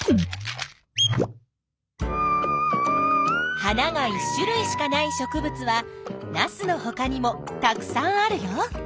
花が１種類しかない植物はナスのほかにもたくさんあるよ。